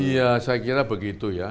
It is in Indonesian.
ya saya kira begitu ya